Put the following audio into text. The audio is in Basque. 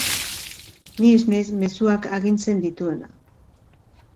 Ni ez naiz mezuak agintzen dituena.